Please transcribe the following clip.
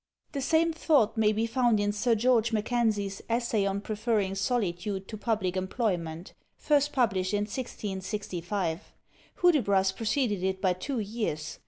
The same thought may be found in Sir George Mackenzie's "Essay on preferring Solitude to public Employment," first published in 1665: Hudibras preceded it by two years.